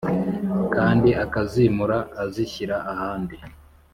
Kandi akazimura azishyira ahandi